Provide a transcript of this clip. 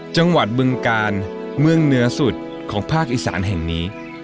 จังหวัดเบื้องกาลเมืองเนื้อสุดของภาคอีสานแห่งนี้